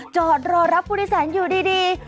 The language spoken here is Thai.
จอดรอรับผู้โดยสารอยู่ดี